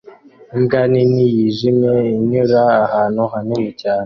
Imbwa nini yijimye inyura ahantu hanini cyane